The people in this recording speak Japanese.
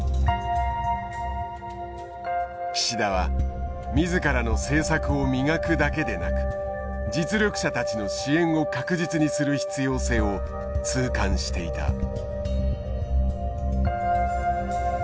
岸田は自らの政策を磨くだけでなく実力者たちの支援を確実にする必要性を痛感していた。